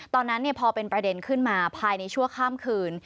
ตอนนั้นพอเป็นประเด็นขึ้นมาภายในชั่วข้ามคืน